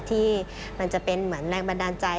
ที่มันจะเป็นเหมือนแรงบันดาลใจ